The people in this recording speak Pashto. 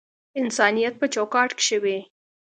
انسانیت په چوکاټ کښی وی